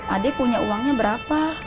adek punya uangnya berapa